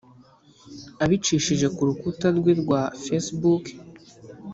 Abicishije ku rukuta rwe rwa Facebook